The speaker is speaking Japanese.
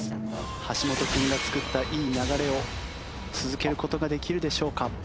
橋本君が作ったいい流れを続ける事ができるでしょうか？